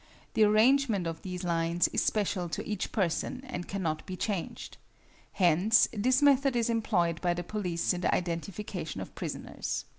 The arrangement of these lines is special to each person, and cannot be changed. Hence this method is employed by the police in the identification of prisoners.